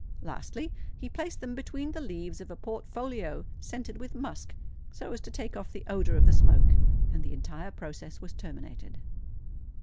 Lastly, he placed them between the leaves of a portfolio scented with musk, so as to take off the odour of the smoke; and the entire process was terminated.